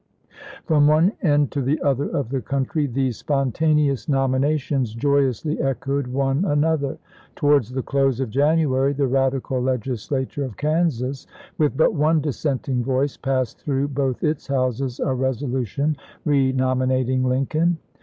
From one end to the other of the country these spontaneous nominations joyously echoed one another. Towards the close of January the Eadical Legislature of Kansas, with but one dissenting voice, passed through both its houses a resolution renominating Lincoln.